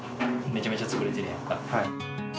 めちゃめちゃ潰れてるやんか。